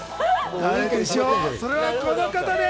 それはこの方です。